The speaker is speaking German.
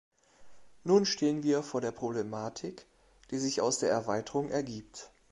Nun stehen wir vor der Problematik, die sich aus der Erweiterung ergibt.